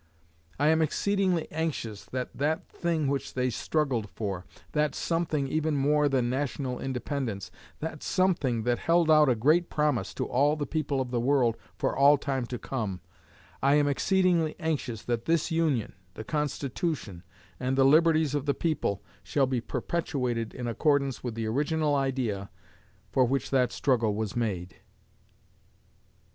I am exceedingly anxious that that thing which they struggled for, that something even more than National Independence, that something that held out a great promise to all the people of the world for all time to come, I am exceedingly anxious that this Union, the Constitution, and the liberties of the people, shall be perpetuated in accordance with the original idea for which that struggle was made."